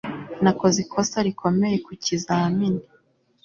nakoze ikosa rikomeye ku kizamini